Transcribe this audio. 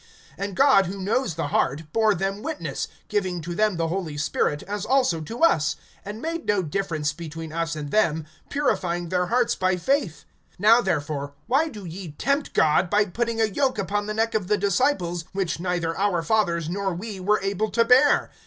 (8)And God who knows the heart bore them witness, giving to them the Holy Spirit, as also to us; (9)and made no difference between us and them, purifying their hearts by faith. (10)Now therefore why do ye tempt God, by putting a yoke upon the neck of the disciples, which neither our fathers nor we were able to bear?